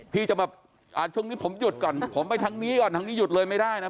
พี่จะแบบช่วงนี้ผมหยุดก่อนผมไปทางนี้ก่อนทางนี้หยุดเลยไม่ได้นะ